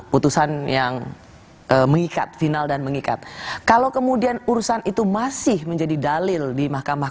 putusan yang mengikat final dan mengikat kalau kemudian urusan itu masih menjadi dalil di mahkamah